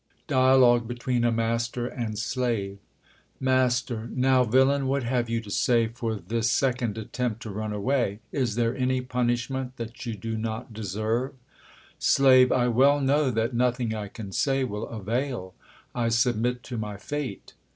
Dialogue between a Master and Slave. ■'•••» M 1\rOWj villain ! what have you to say for Master, n ^,^.^ second attempt to run a\vay ? Is there any punishment that you do not deserve ? Slave, I well know that nothing I can say will avail. I submit to my fate.